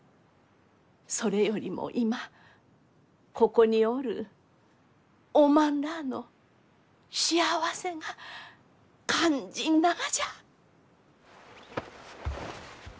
それよりも今ここにおるおまんらあの幸せが肝心ながじゃ。